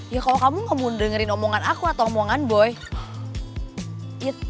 ya kalau kamu gak mau dengerin omongan aku atau omongan boy